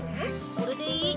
これでいい？